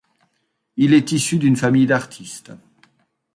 Il est issu d'une famille d'artistes.